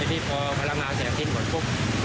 ทีนี้พอพลังงานเสียทิ้งหมดปุ๊บ